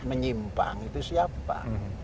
menyimpang itu siapa